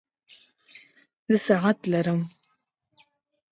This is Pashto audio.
زه ساعت لرم